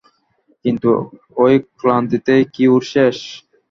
কিন্তু এই ক্লান্তিতেই কি ওর শেষ।